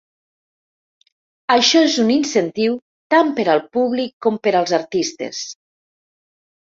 Això és un incentiu tant per al públic com per als artistes.